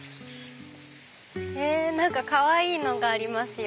へぇ何かかわいいのがありますよ。